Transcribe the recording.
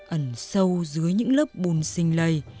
ẩn sâu dưới những lớp bùn sinh lầy